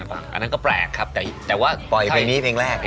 อันนั้นก็แปลกครับเพลงแรก